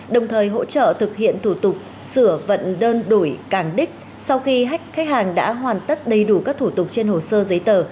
đồng thời hỗ trợ thực hiện thủ tục sửa vận đơn đổi cản đích sau khi khách hàng đã hoàn tất đầy đủ các thủ tục trên hồ sơ giấy tờ